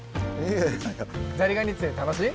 ザリガニ釣り楽しい？